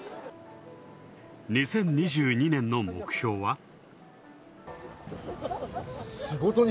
２０２２年の目標は？